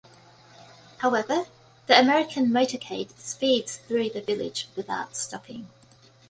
However, the American motorcade speeds through the village without stopping.